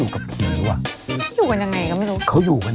ว้ายแล้วแฟนไม่เห็น